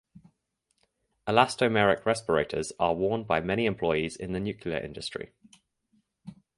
Elastomeric respirators are worn by many employees in the nuclear industry.